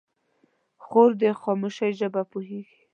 خور د خاموشۍ ژبه پوهېږي.